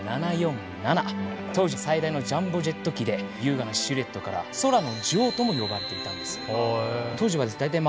当時最大のジャンボジェット機で優雅なシルエットから「空の女王」とも呼ばれていたんです。